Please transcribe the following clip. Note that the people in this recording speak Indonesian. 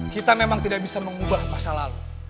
kita memang tidak bisa mengubah masa lalu